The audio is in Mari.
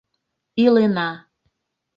Илена...